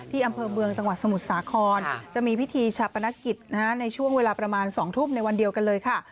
อำเภอเมืองจังหวัดสมุทรสาครจะมีพิธีชาปนกิจในช่วงเวลาประมาณ๒ทุ่มในวันเดียวกันเลยค่ะ